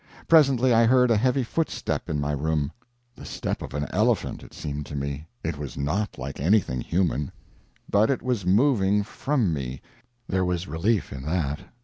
Presently I heard a heavy footstep in my room the step of an elephant, it seemed to me it was not like anything human. But it was moving from me there was relief in that.